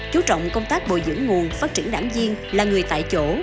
chú trọng công tác bồi dưỡng nguồn phát triển đảng viên là người tại chỗ